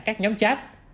các nhóm chat